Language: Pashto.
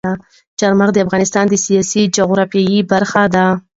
چار مغز د افغانستان د سیاسي جغرافیه برخه ده.